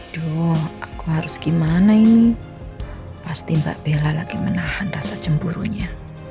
duh aku harus gimana ini pasti mbak bella lagi menahan rasa cemburunya